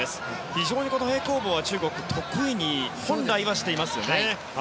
非常に平行棒は中国は得意に本来はしていますよね。